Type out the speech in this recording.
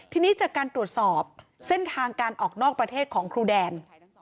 ทีนี้จากการตรวจสอบเส้นทางการออกนอกประเทศของครูแดน